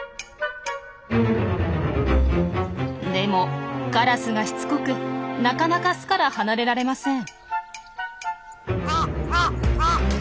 でもカラスがしつこくなかなか巣から離れられません。